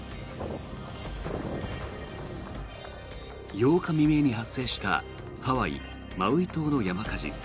８日未明に発生したハワイ・マウイ島の山火事。